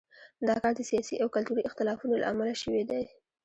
دا کار د سیاسي او کلتوري اختلافونو له امله شوی دی.